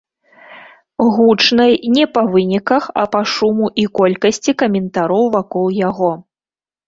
Гучнай не па выніках, а па шуму і колькасці каментараў вакол яго.